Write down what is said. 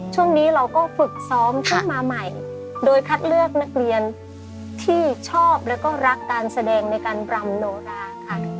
ช่วงนี้เราก็ฝึกซ้อมขึ้นมาใหม่โดยคัดเลือกนักเรียนที่ชอบแล้วก็รักการแสดงในการรำโนราค่ะ